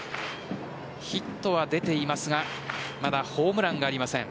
ヒットは出ていますがまだホームランがありません。